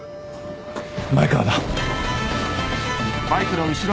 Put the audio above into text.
前川だ。